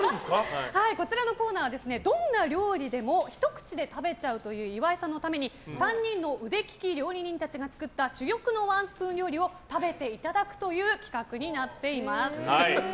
こちらのコーナーはどんな料理でもひと口で食べちゃうという岩井さんのために３人の腕利き料理人たちが作った珠玉のワンスプーン料理を食べていただくという企画になっています。